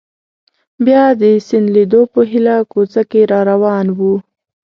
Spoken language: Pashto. بیا د سیند لیدو په هیله کوڅه کې را روان وو.